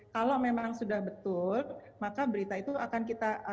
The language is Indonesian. kalau memang sudah betul maka berita itu akan kita